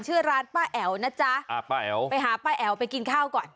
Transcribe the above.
ชื่อร้านป้าแอ๋วนะจ๊ะอ่าป้าแอ๋วไปหาป้าแอ๋วไปกินข้าวก่อน